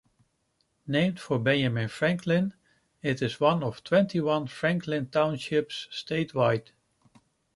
Named for Benjamin Franklin, it is one of twenty-one Franklin Townships statewide.